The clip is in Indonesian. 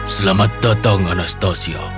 selamat datang anastasia